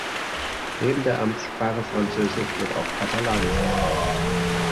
Neben der Amtssprache Französisch wird auch Katalanisch gesprochen.